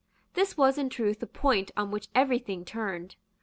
This was in truth the point on which every thing turned.